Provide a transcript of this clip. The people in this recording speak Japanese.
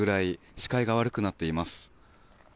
視界が悪くなっています。